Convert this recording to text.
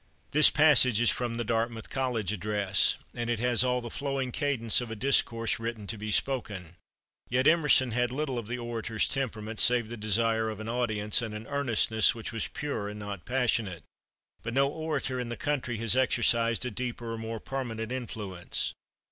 This passage is from the Dartmouth College address, and it has all the flowing cadence of a discourse written to be spoken. Yet Emerson had little of the orator's temperament save the desire of an audience, and an earnestness which was pure and not passionate. But no orator in the country has exercised a deeper or more permanent influence.